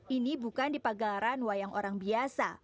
ini bukan di pagelaran wayang orang biasa